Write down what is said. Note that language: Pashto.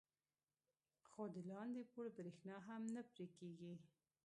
خو د لاندې پوړ برېښنا هم نه پرې کېږي.